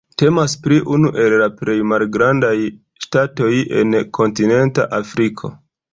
Temas pri unu el la plej malgrandaj ŝtatoj en kontinenta Afriko.